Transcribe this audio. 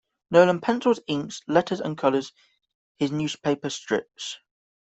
Nolan pencils, inks, letters and colors his newspaper strips.